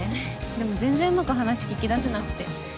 でも全然うまく話聞き出せなくて。